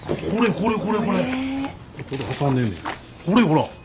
これよほら。